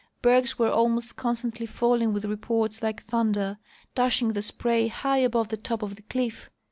Bergs were almost constantly falling, with reports like thunder, dashing the spray high above the top of the cliff.